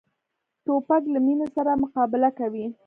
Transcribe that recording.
توپک له مینې سره مقابله کوي.